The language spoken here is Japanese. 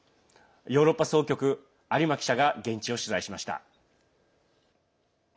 ヨーロッパ総局、有馬記者が現地を取材しました。